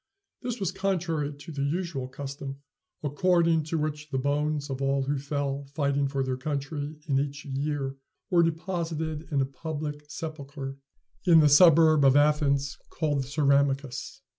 This was contrary to the usual custom, according to which the bones of all who fell fighting for their country in each year were deposited in a public sepulchre in the suburb of Athens called the "Ceramicus."